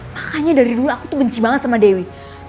makanya dari dulu aku tuh benci banget sama dewi